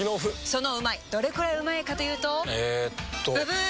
そのうまいどれくらいうまいかというとえっとブブー！